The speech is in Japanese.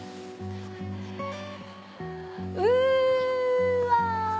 うわ！